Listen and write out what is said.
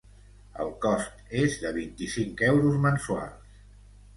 El cost és de vint-i-cinc euros mensuals.